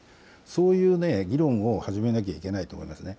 そういう議論を始めなきゃいけないと思いますね。